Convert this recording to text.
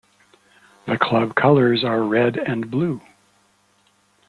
The club colours are red and blue.